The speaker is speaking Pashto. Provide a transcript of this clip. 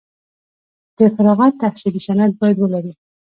د فراغت تحصیلي سند باید ولري.